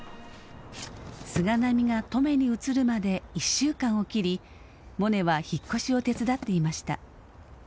菅波が登米に移るまで１週間を切りモネは引っ越しを手伝っていました。